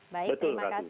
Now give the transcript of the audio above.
baik terima kasih